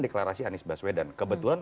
deklarasi anies baswedan kebetulan